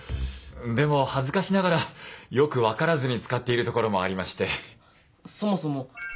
でも恥ずかしながらよく分からずに使っているところもありまして。